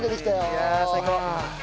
いやあ最高！